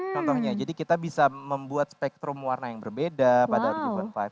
contohnya jadi kita bisa membuat spektrum warna yang berbeda pada river lima